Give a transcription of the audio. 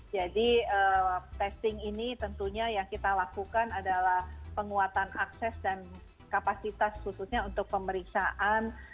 jadi testing ini tentunya yang kita lakukan adalah penguatan akses dan kapasitas khususnya untuk pemeriksaan